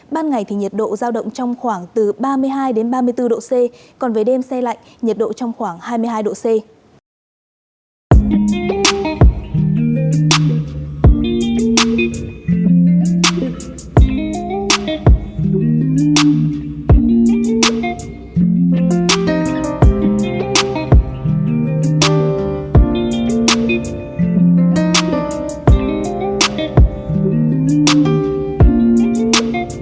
ban ngày thì nhiệt độ giao động trong khoảng từ ba mươi hai ba mươi bốn độ c còn về đêm xe lạnh nhiệt độ trong khoảng hai mươi hai độ c